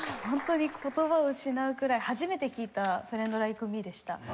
本当に言葉を失うくらい初めて聴いた『フレンド・ライク・ミー』でした。